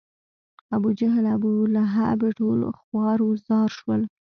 ابوجهل، ابولهب ټول خوار و زار شول.